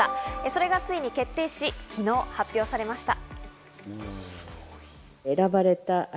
それがついに決定し、昨日発表されました。